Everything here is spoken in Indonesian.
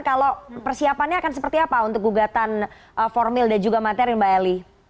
kalau persiapannya akan seperti apa untuk gugatan formil dan juga materi mbak eli